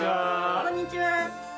こんにちは。